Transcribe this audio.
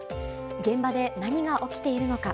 現場で何が起きているのか。